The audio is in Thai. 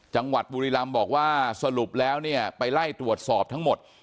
จังหวัดบุรีรำบอกว่าสรุปแล้วเนี่ยไปไล่ตรวจสอบทั้งหมด